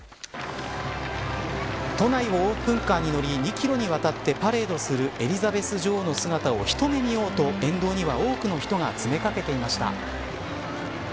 都内をオープンカーに乗り２キロにわたってパレードするエリザベス女王の姿を一目見ようと、沿道には多くの人が詰め掛けていました。